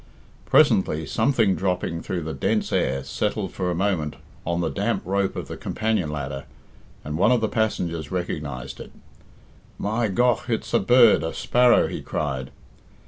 Presently something dropping through the dense air settled for a moment on the damp rope of the companion ladder, and one of the passengers recognised it. "My gough! It's a bird, a sparrow," he cried.